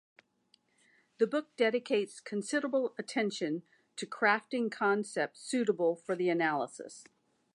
The book dedicates considerable attention to crafting concepts suitable for the analysis.